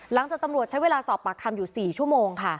หลังจากตำรวจใช้เวลาสอบปรักษ์ทำอยู่สี่ชั่วโมง